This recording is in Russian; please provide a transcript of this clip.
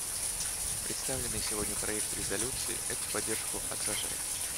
Представленный сегодня проект резолюции эту поддержку отражает.